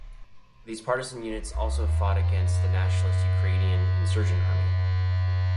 These partisan units also fought against the nationalist Ukrainian Insurgent Army.